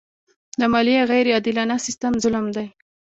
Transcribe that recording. د مالیې غیر عادلانه سیستم ظلم دی.